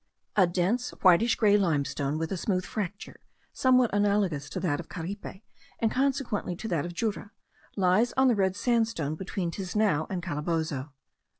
A dense whitish gray limestone, with a smooth fracture, somewhat analogous to that of Caripe, and consequently to that of Jura, lies on the red sandstone between Tisnao and Calabozo.